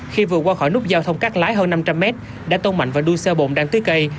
khi vừa qua khỏi nút giao thông cắt lái hơn năm trăm linh mét đã tông mạnh vào đuôi xe bồn đang tưới cây